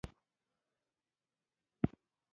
احمدشاه بابا د فرهنګي ارزښتونو ساتنه کړی.